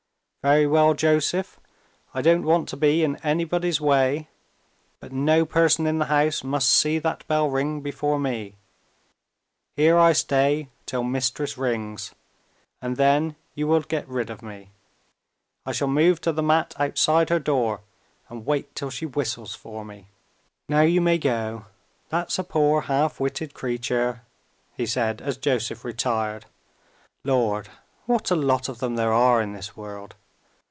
"Very well, Joseph! I don't want to be in anybody's way; but no person in the house must see that bell ring before me. Here I stay till Mistress rings and then you will get rid of me; I shall move to the mat outside her door, and wait till she whistles for me. Now you may go. That's a poor half witted creature," he said as Joseph retired. "Lord! what a lot of them there are in this world!"